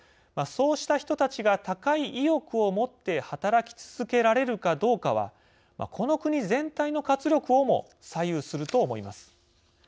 そうした人たちが高い意欲を持って働き続けられるかどうかはこの国全体の活力をも左右すると思います。